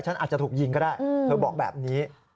ฉันอาจจะถูกยิงก็ได้เธอบอกแบบนี้